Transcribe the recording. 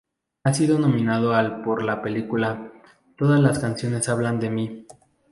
Ha sido nominado al por la película "Todas las canciones hablan de mí".